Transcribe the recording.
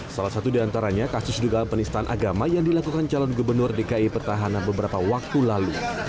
salah satu diantaranya kasus dugaan penistaan agama yang dilakukan calon gubernur dki petahana beberapa waktu lalu